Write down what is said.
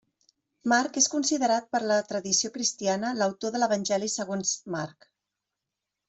Marc és considerat per la tradició cristiana l'autor de l'Evangeli segons Marc.